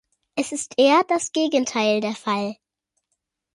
Es ist eher das Gegenteil der Fall.